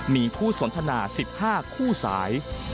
มีผู้สนทนา๑๕คู่สาย